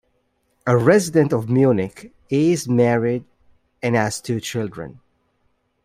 A resident of Munich, he is married and has two children.